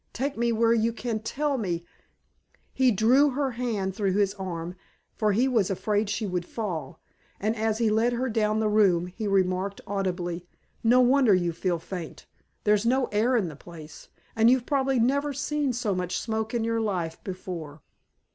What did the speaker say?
Take me where you can tell me " He drew her hand through his arm, for he was afraid she would fall, and as he led her down the room he remarked audibly, "No wonder you feel faint. There's no air in the place, and you've probably never seen so much smoke in your life before."